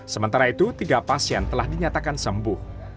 sementara itu tiga pasien telah dinyatakan sembuh